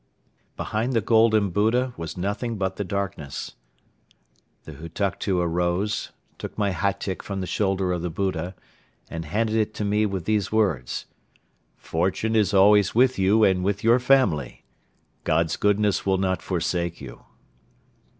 Behind the golden Buddha was nothing but the darkness. The Hutuktu arose, took my hatyk from the shoulder of the Buddha and handed it to me with these words: "Fortune is always with you and with your family. God's goodness will not forsake you."